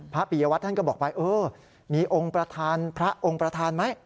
ปียวัตรท่านก็บอกไปเออมีองค์ประธานพระองค์ประธานไหม